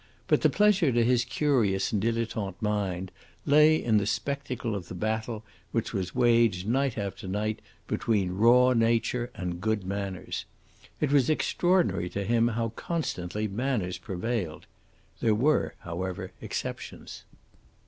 But the pleasure to his curious and dilettante mind lay in the spectacle of the battle which was waged night after night between raw nature and good manners. It was extraordinary to him how constantly manners prevailed. There were, however, exceptions.